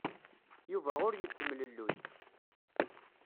Yuba ur yettemlelluy.